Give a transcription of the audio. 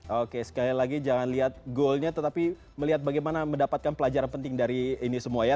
oke sekali lagi jangan lihat goalnya tetapi melihat bagaimana mendapatkan pelajaran penting dari ini semua ya